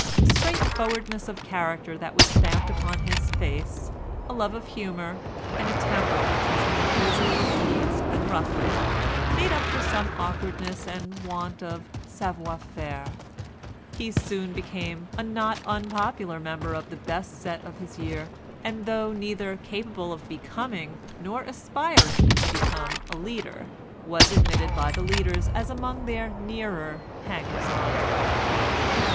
A straightforwardness of character that was stamped upon his face, a love of humour, and a temper which was more easily appeased than ruffled made up for some awkwardness and want of savoir faire. He soon became a not unpopular member of the best set of his year, and though neither capable of becoming, nor aspiring to become, a leader, was admitted by the leaders as among their nearer hangers on.